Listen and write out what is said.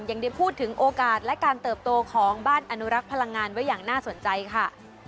ยังได้พูดถึงโอกาสและการเติบโตของบ้านอนุรักษ์พลังงานไว้อย่างน่าสนใจค่ะ